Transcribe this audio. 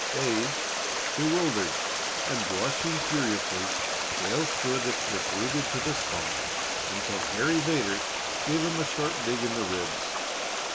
Dazed, bewildered, and blushing furiously, Dale stood as if rooted to the spot until Harry Vedder gave him a sharp dig in the ribs.